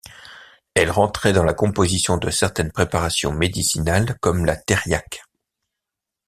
Elle rentrait dans la composition de certaines préparations médicinales comme la thériaque.